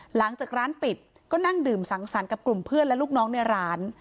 หลังจากร้านปิดก็นั่งดื่มสังสรรค์กับกลุ่มเพื่อนและลูกน้องในร้าน